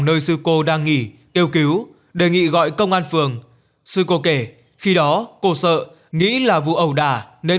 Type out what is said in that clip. nơi sư cô đang nghỉ yêu cứu đề nghị gọi công an phường sự cô kể khi đó cô sợ nghĩ là vụ ẩu đà nên